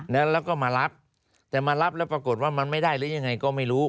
แล้วก็มารับแต่มารับแล้วปรากฏว่ามันไม่ได้หรือยังไงก็ไม่รู้